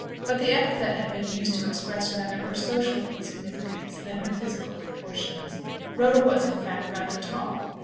But the epithet had been used to express rather her social insignificance, than her physical proportions. Rhoda was, in fact, rather tall.